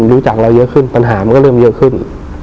รู้จักเราเยอะขึ้นปัญหามันก็เริ่มเยอะขึ้น